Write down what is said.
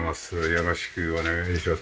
よろしくお願いします。